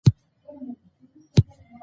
د جهیل کچه ټیټه شوې ده.